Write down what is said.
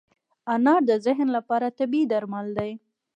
انار د ذهن لپاره طبیعي درمل دی.